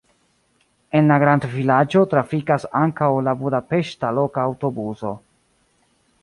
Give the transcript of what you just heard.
En la grandvilaĝo trafikas ankaŭ la budapeŝta loka aŭtobuso.